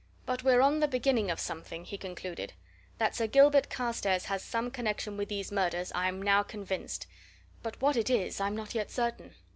"But we're on the beginning of something," he concluded. "That Sir Gilbert Carstairs has some connection with these murders, I'm now convinced but what it is, I'm not yet certain.